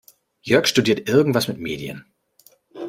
Jörg studiert irgendwas mit Medien.